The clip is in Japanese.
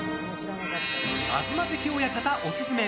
東関親方オススメ！